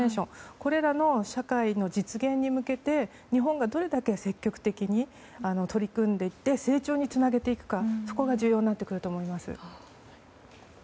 これらの社会の実現に向けて日本がどれだけ積極的に取り組んでいって成長につなげていくかが重要になると思います。